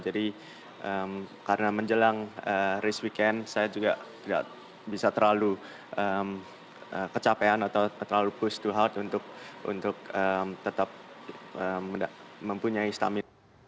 jadi karena menjelang race weekend saya juga tidak bisa terlalu kecapean atau terlalu push to hard untuk tetap mempunyai stamina